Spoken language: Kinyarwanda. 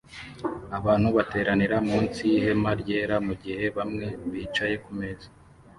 Abantu bateranira munsi yihema ryera mugihe bamwe bicaye kumeza